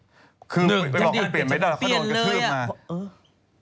ไม่เหมาะจากเปลี่ยนได้หรอกเขาโดนกระทืบมา